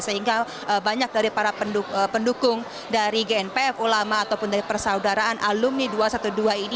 sehingga banyak dari para pendukung dari gnpf ulama ataupun dari persaudaraan alumni dua ratus dua belas ini